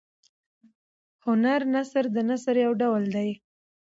هنر نثر د نثر یو ډول دﺉ.